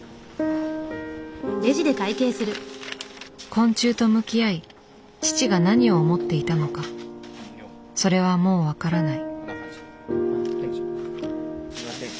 昆虫と向き合い父が何を思っていたのかそれはもう分からない。